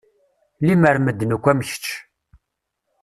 Lemmer medden akk am kečč.